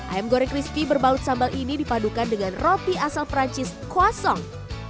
ayam goreng crispy berbaul sambal ini dipadukan dengan roti asal perancis croissant